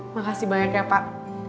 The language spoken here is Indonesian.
makasih banyak ya pak